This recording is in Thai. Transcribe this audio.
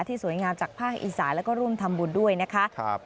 สวยงามจากภาคอีสานแล้วก็ร่วมทำบุญด้วยนะคะ